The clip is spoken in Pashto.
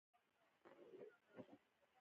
مړوندونه په کار نه ستړي کېدل